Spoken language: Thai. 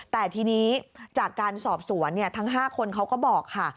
แต่ทีนี้จากการสอบสวนทั้ง๕คนเขาก็บอกค่ะ